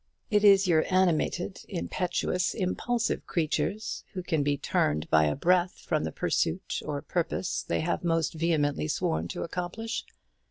It is your animated, impetuous, impulsive creatures who can be turned by a breath from the pursuit or purpose they have most vehemently sworn to accomplish.